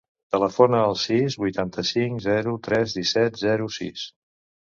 Telefona al sis, vuitanta-cinc, zero, tres, disset, zero, sis.